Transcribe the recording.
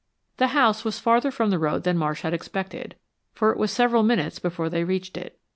The house was farther from the road than Marsh had expected, for it was several minutes before they reached it.